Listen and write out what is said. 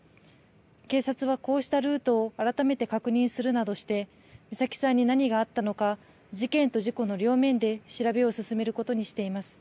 警察はこうしたルートを改めて確認するなどして、美咲さんに何があったのか、事件と事故の両面で調べを進めることにしています。